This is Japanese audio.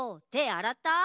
あらった？